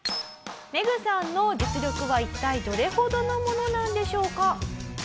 メグさんの実力は一体どれほどのものなんでしょうか？